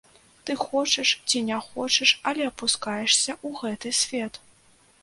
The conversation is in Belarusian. Ты хочаш ці не хочаш, але апускаешся ў гэты свет.